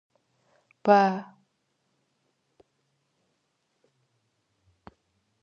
Бжьыхьэмрэ щӀымахуэмрэ бажэхэм лыхэкӏхэр нэхъ мащӏэу яшх.